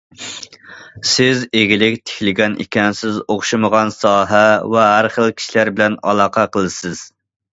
سىز ئىگىلىك تىكلىگەن ئىكەنسىز ئوخشىمىغان ساھە ۋە ھەر خىل كىشىلەر بىلەن ئالاقە قىلىسىز.